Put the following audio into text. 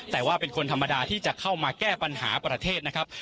แต่ว่าเป็นคนธรรมดาที่จะเข้ามาแก้ปัญหาประเทศนะครับ